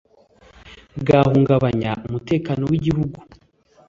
bwahungabanya umutekano w igihugu